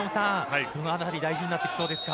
どのあたりが大事になってきそうですか。